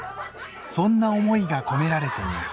そんな思いが込められています。